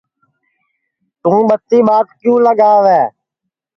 توں ٻتی ٻات کیوں لگاوے